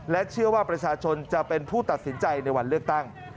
เชื่อว่าประชาชนจะเป็นผู้ตัดสินใจในวันเลือกตั้ง